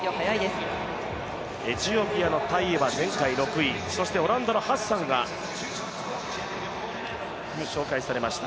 エチオピアのタイエは前回６位、そしてオランダのハッサンが紹介されました。